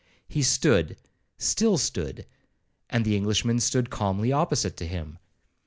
He stood—still stood, and the Englishman stood calmly opposite to him.